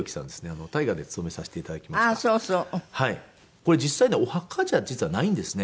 これ実際ねお墓じゃ実はないんですね。